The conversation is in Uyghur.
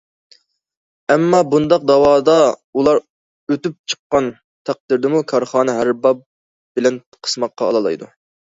ئەمما بۇنداق دەۋادا ئۇلار ئۇتۇپ چىققان تەقدىردىمۇ كارخانا ھەر باب بىلەن قىسماققا ئالالايدۇ.